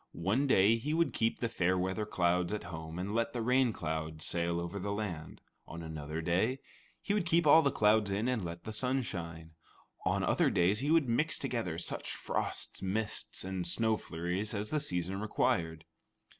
One day he would keep the fair weather clouds at home and let the rain clouds sail over the land; on another day, he would keep all the clouds in and let the sun shine; on other days he would mix together such frosts, mists, and snow flurries as the season required.